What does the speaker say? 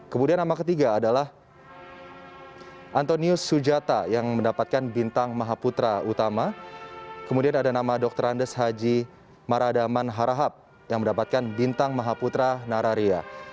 kemudian nama ketiga adalah antonius sujata yang mendapatkan bintang mahaputra utama kemudian ada nama dr andes haji maradaman harahap yang mendapatkan bintang mahaputra nararia